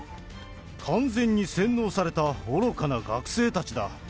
完全に洗脳された愚かな学生たちだ。